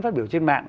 phát biểu trên mạng